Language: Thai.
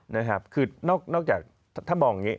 นะครับคือนอกจากถ้ามองอย่างนี้